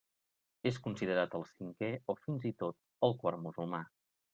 És considerat el cinquè o, fins i tot, el quart musulmà.